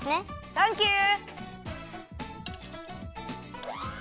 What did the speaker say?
サンキュー！